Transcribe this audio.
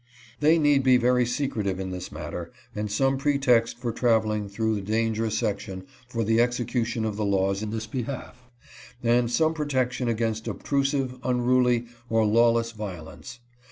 They need be very secretive in this matter, and some pretext for traveling through the dangerous section for the execution of the laws in this behalf, and some protection against obtrusive, un ruly, or lawless violence.